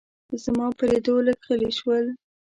زما په لیدو لږ غلي شول.